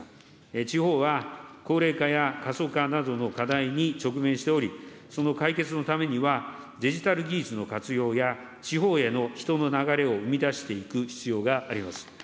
地方は高齢化や過疎化などの課題に直面しており、その解決のためには、デジタル技術の活用や、地方への人の流れを生み出していく必要があります。